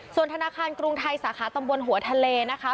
ส่วนธนาคารกรุงไทยสาขาตำบลหัวทะเลนะคะ